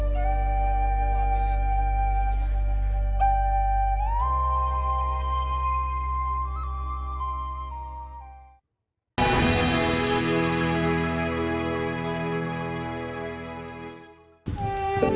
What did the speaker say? jadi kita harus